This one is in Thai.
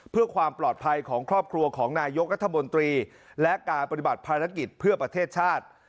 เพื่อความปลอดภัยของครอบครัวของนายกรัฐมนตรีและการปฏิบัติภารกิจเพื่อประเทศชาติ